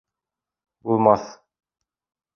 Булмаҫ!